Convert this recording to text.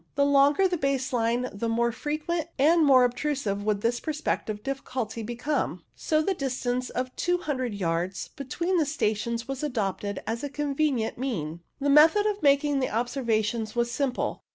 The longer the base line the more frequent and more obtrusive would this perspective difficulty become, so the distance of 200 yards 148 CLOUD ALTITUDES between the stations was adopted as a convenient mean. The method of making the observations was simple.